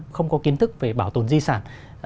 không có kiến thức về bảo tồn di sản